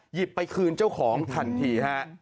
หยิบไปคืนเจ้าของทันทีฮะ